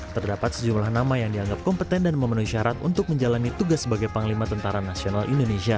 terdapat sejumlah nama yang dianggap kompeten dan memenuhi syarat untuk menjalani tugas sebagai panglima tentara nasional indonesia